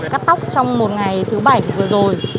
cắt tóc trong một ngày thứ bảy vừa rồi